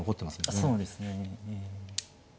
そうですねええ。